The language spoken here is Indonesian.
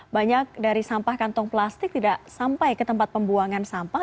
banyak dari sampah kantong plastik tidak sampai ke tempat pembuangan sampah